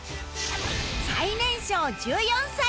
最年少１４歳